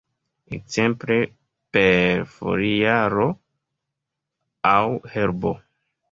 Ekzemple per foliaro aŭ herbo.